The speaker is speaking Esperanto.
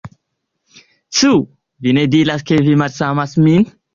Cu vi ne diras ke vi malamas min?